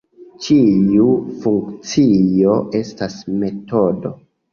Ĉiu funkcio estas metodo.